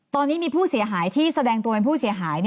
ตอนนี้มีผู้เสียหายที่แสดงตัวเป็นผู้เสียหาย